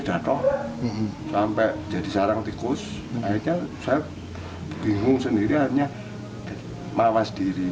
akhirnya saya bingung sendiri akhirnya mawas diri